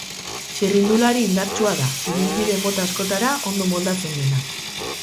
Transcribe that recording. Txirrindulari indartsua da, ibilbide mota askotara ondo moldatzen dena.